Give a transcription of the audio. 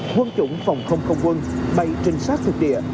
quân chủng phòng không không quân bay trinh sát thực địa